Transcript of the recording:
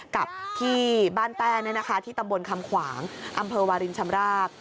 กับที่บ้านแต้ที่ตำบลคำขวางอำเภอวารินชำราบ